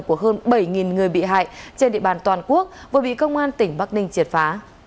của hơn bảy người bị hại trên địa bàn toàn quốc vừa bị công an tỉnh bắc ninh triệt phá